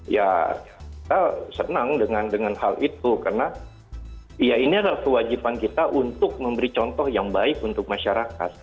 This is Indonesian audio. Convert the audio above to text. ya kita senang dengan hal itu karena ya ini adalah kewajiban kita untuk memberi contoh yang baik untuk masyarakat